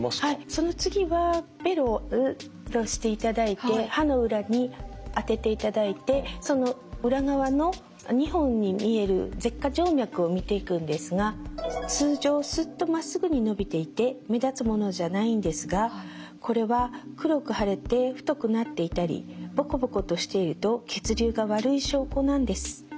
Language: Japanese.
その次はベロをうっとしていただいて歯の裏に当てていただいてその裏側の２本に見える舌禍静脈を見ていくんですが通常スッとまっすぐに伸びていて目立つものじゃないんですがこれは黒く腫れて太くなっていたりボコボコとしていると血流が悪い証拠なんです。